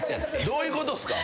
どういうことっすか？